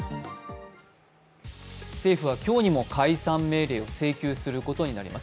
政府は今日にも解散命令を請求することになります。